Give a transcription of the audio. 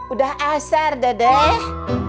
udah asar dedeh